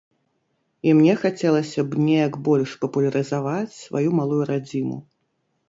І мне хацелася б неяк больш папулярызаваць сваю малую радзіму.